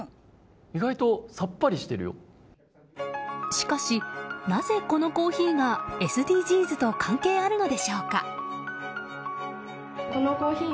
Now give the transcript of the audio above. しかしなぜ、このコーヒーがＳＤＧｓと関係あるのでしょうか。